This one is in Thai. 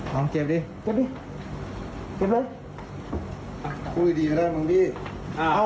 น้องเก็บดิเก็บดิเก็บเลยพูดดีก็ได้น้องพี่อ่า